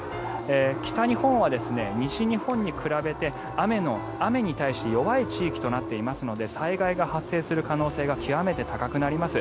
北日本は西日本に比べて雨に対して弱い地域となっていますので災害が発生する可能性が極めて高くなります。